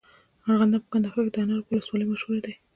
ارغنداب په کندهار کي د انارو په ولسوالۍ مشهوره دی.